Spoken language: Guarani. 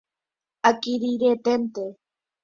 Akirirĩeténte